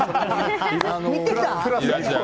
見てた？